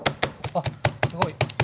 あっすごい。